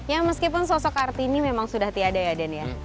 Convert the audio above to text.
ya meskipun sosok kartini memang sudah tiada ya dan ya